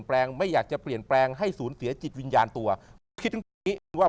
รัฐนารัฐนารัฐนารัฐนา